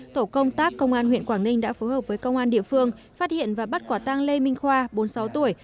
tổ công tác công an huyện quảng ninh đã phối hợp với công an địa phương phát hiện và bắt quả tang lê minh khoa bốn mươi sáu tuổi